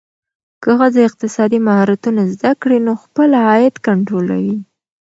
که ښځه اقتصادي مهارتونه زده کړي، نو خپل عاید کنټرولوي.